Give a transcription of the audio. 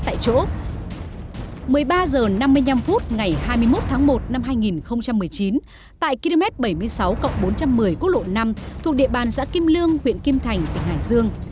tại chỗ một mươi ba h năm mươi năm phút ngày hai mươi một tháng một năm hai nghìn một mươi chín tại km bảy mươi sáu bốn trăm một mươi quốc lộ năm thuộc địa bàn giã kim lương huyện kim thành tỉnh hải dương